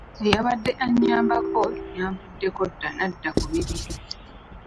Eyabadde annyambako yanvuddeko dda n'adda ku bibye.